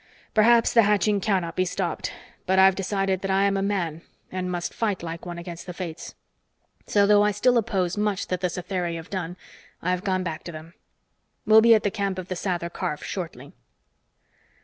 Perhaps the hatching cannot be stopped but I've decided that I am a man and must fight like one against the fates. So, though I still oppose much that the Satheri have done, I've gone back to them. We'll be at the camp of the Sather Karf shortly."